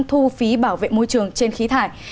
thu phí bảo vệ môi trường trên khí thải